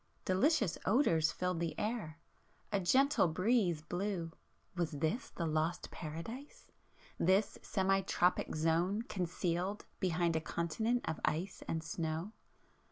Delicious odours filled the air;—a gentle breeze blew, ... was this the lost Paradise?—this semi tropic zone concealed behind a continent of ice and snow?